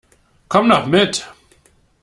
Komm doch mit!